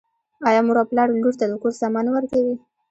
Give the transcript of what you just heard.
آیا مور او پلار لور ته د کور سامان نه ورکوي؟